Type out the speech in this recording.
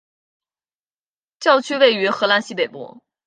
教区位于荷兰西北部。